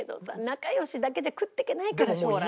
仲良しだけじゃ食っていけないから将来。